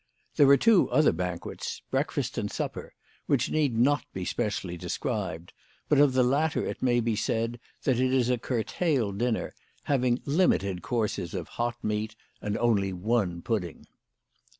There are two other banquets, breakfast and supper, which need not be specially described ; but of the latter it may be said that it is a curtailed dinner, having limited courses of hot meat, and only one pudding.